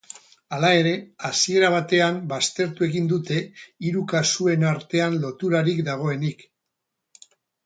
Hala ere, hasiera batean baztertu egin dute hiru kasuen artean loturarik dagoenik.